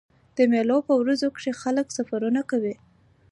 د مېلو په ورځو کښي خلک سفرونه کوي.